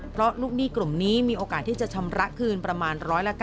เพราะลูกหนี้กลุ่มนี้มีโอกาสที่จะชำระคืนประมาณ๑๙